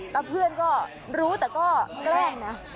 แล้วเพื่อนก็รู้แต่ก็แกล้งนะ